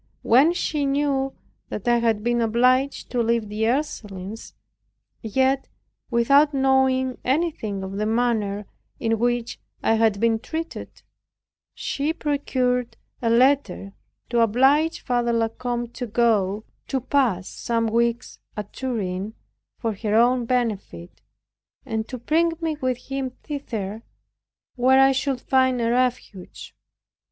When she knew that I had been obliged to leave the Ursulines, yet without knowing anything of the manner in which I had been treated, she procured a letter to oblige Father La Combe to go to pass some weeks at Turin, for her own benefit, and to bring me with him thither, where I should find a refuge.